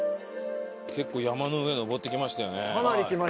結構山の上に登ってきましたよね。